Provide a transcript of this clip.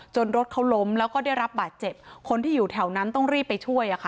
รถเขาล้มแล้วก็ได้รับบาดเจ็บคนที่อยู่แถวนั้นต้องรีบไปช่วยอ่ะค่ะ